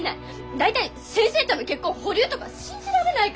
大体先生との結婚保留とか信じられないから！